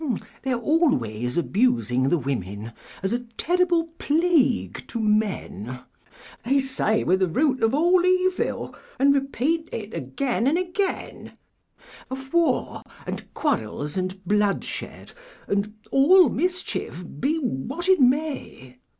They're always abusing the women, As a terrible plague to men; They say we're the root of all evil, And repeat it again and again Of war, and quarrels, and bloodshed, All mischief, be what it may.